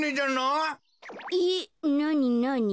えっなになに？